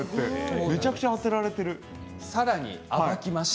むちゃくちゃ当てられています。